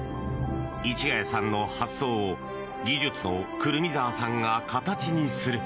市ヶ谷さんの発想を技術の胡桃澤さんが形にする。